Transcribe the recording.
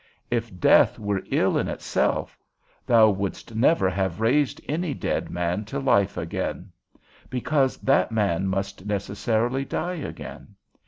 If death were ill in itself, thou wouldst never have raised any dead man to life again, because that man must necessarily die again.